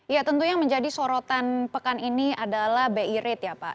ya tentu yang menjadi sorotan pekan ini adalah bi rate ya pak